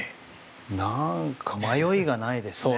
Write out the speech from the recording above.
なんか迷いがないですね。